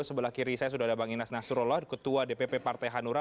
sebelah kiri saya sudah ada bang inas nasrullah ketua dpp partai hanura